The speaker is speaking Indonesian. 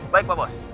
baik pak bos